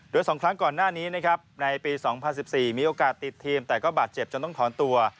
โดย๒ครั้งก่อนหน้านี้นะครับในปี๒๐๑๔มีโอกาสติดทีมแต่ก็บาดเจ็บจนต้องถอนตัว